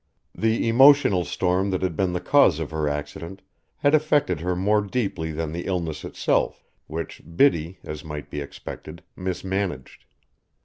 The emotional storm that had been the cause of her accident had affected her more deeply than the illness itself, which Biddy, as might be expected, mismanaged.